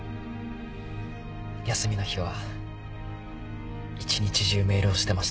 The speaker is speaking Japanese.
休みの日は一日中メールをしてました。